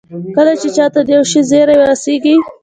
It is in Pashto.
کله چې چا ته د يوه شي زېری رسېږي.